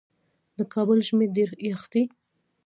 د کابل ژمی ډیر یخ دی